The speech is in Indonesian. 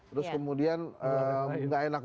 terus kemudian nggak enak